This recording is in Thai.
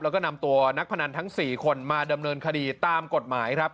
แล้วก็นำตัวนักพนันทั้ง๔คนมาดำเนินคดีตามกฎหมายครับ